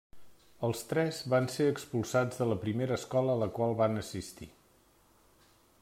Els tres van ser expulsats de la primera escola a la qual van assistir.